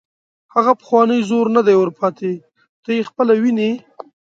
هغه پخوانی زور نه دی ور پاتې، ته یې خپله ویني.